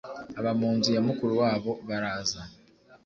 aba mu nzu ya mukuru wabo baraza